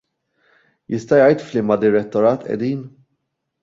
Jista' jgħid f'liema direttorat qegħdin?